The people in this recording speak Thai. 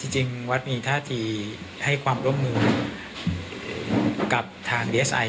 จริงวัดมีท่าทีให้ความร่วมมือกับทางดีเอสไอ